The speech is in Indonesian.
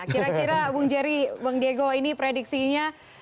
kira kira bung jerry bang diego ini prediksinya